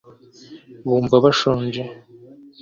bumva bashonje